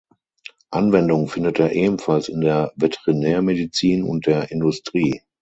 Anwendung findet er ebenfalls in der Veterinärmedizin und der Industrie.